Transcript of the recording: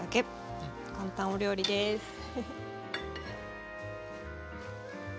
簡単お料理ですウフフ。